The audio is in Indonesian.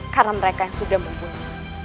karena mereka yang sudah membunuh